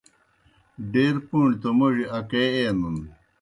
ڈیر پُݨیْ تو موڙیْ اکے اینَن